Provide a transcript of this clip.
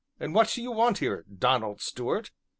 "And what do you want here, Donald Stuart?"